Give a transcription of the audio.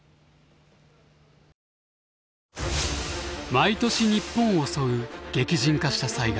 毎年日本を襲う激甚化した災害。